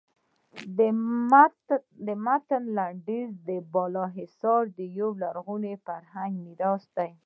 د متن لنډیز کابل بالا حصار یو لرغونی فرهنګي میراث دی.